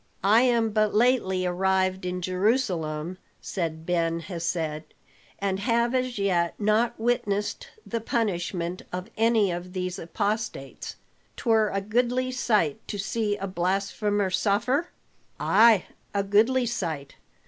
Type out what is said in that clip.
"I am but lately arrived in Jerusalem," said Ben Hesed, "and have as yet not witnessed the punishment of any of these apostates. 'Twere a goodly sight to see a blasphemer suffer?" "Ay, a goodly sight.